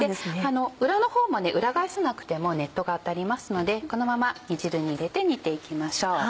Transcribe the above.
裏の方も裏返さなくても熱湯が当たりますのでこのまま煮汁に入れて煮ていきましょう。